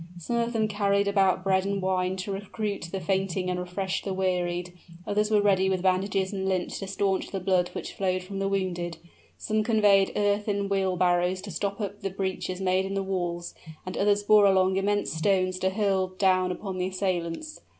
Some of them carried about bread and wine to recruit the fainting and refresh the wearied, others were ready with bandages and lint to stanch the blood which flowed from the wounded, some conveyed earth in wheelbarrows, to stop up the breaches made in the walls, and others bore along immense stones to hurl down upon the assailants.